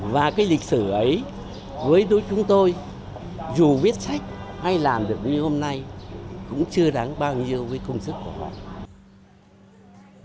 và cái lịch sử ấy với đối chúng tôi dù viết sách hay làm được như hôm nay cũng chưa đáng bao nhiêu với công sức của họ